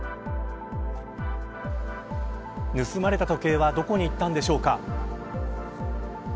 盗まれた時計はどこにいったんでしょうか。